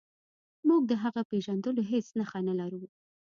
موږ د هغه د پیژندلو هیڅ نښه نلرو.